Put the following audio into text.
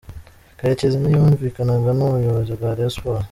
Karekezi ntiyumvikanaga n’ubuyobozi bwa Rayon Sports.